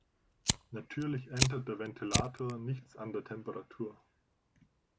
Natürlich ändert der Ventilator nichts an der Temperatur.